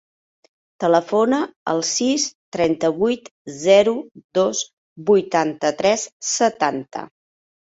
Telefona al sis, trenta-vuit, zero, dos, vuitanta-tres, setanta.